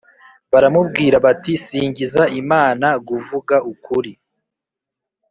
baramubwira bati singiza Imanag uvuga ukuri